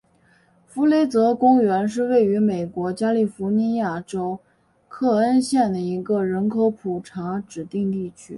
弗雷泽公园是位于美国加利福尼亚州克恩县的一个人口普查指定地区。